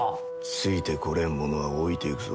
ついてこれん者は置いていくぞ。